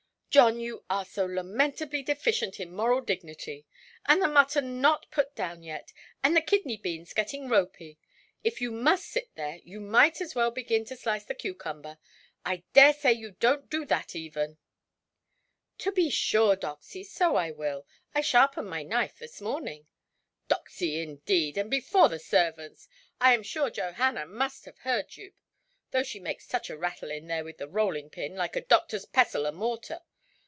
"John, you are so lamentably deficient in moral dignity! And the mutton not put down yet, and the kidney–beans getting ropy! If you must sit there, you might as well begin to slice the cucumber. I dare say youʼd do that even". "To be sure, Doxy; so I will. I sharpened my knife this morning". "Doxy, indeed! And before the servants! I am sure Johanna must have heard you, though she makes such a rattle in there with the rolling–pin, like a doctorʼs pestle and mortar.